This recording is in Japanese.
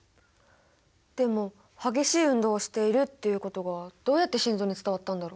でも激しい運動をしているっていうことがどうやって心臓に伝わったんだろう？